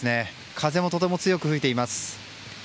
風もとても強く吹いています。